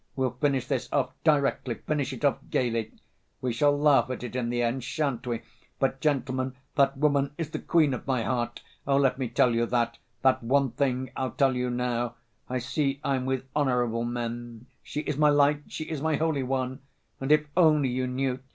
We'll finish this off directly, finish it off gayly. We shall laugh at it in the end, shan't we? But, gentlemen, that woman is the queen of my heart. Oh, let me tell you that. That one thing I'll tell you now.... I see I'm with honorable men. She is my light, she is my holy one, and if only you knew!